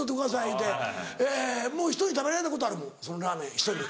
言うてもう人に食べられたことあるもんそのラーメン人に。